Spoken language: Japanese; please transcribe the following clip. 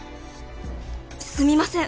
すみません！